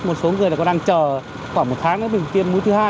một số người có đang chờ khoảng một tháng nữa mình tiêm mũi thứ hai